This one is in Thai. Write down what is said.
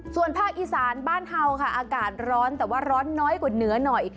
ส่วนภาคอีสานบ้านเฮาค่ะอากาศร้อนแต่ว่าร้อนน้อยกว่าเหนือหน่อย